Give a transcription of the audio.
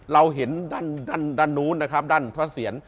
เราเห็นด้านด้านนู้นนะครับด้านพระเสียร